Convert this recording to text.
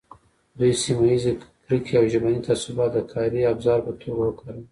دوی سیمه ییزې کرکې او ژبني تعصبات د کاري ابزار په توګه وکارول.